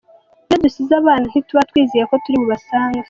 Iyo dusize abana ntituba twizeye ko turi bubasange.